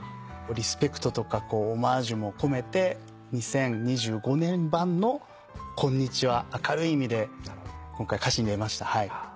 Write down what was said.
リスペクトとかオマージュも込めて２０２５年版のこんにちは明るい意味で今回歌詞に入れましたはい。